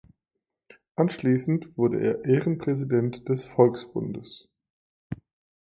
Anschließend wurde er Ehrenpräsident des Volksbundes.